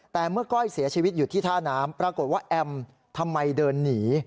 แต่เมื่อก้อยเสียชีวิตอยู่ที่ท่าน้ำปรากฏว่าแอมทำไมเดินหนี